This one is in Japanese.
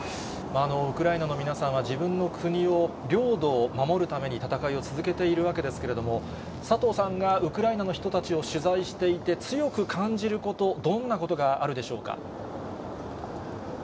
ウクライナの皆さんは自分の国を、領土を守るために戦いを続けているわけですけれども、佐藤さんがウクライナの人たちを取材していて、強く感じること、どんなことがあるでしょうか？